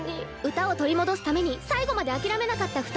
歌を取り戻すために最後まで諦めなかった２人。